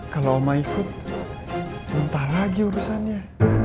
kalau oma ikut muntah lagi urusannya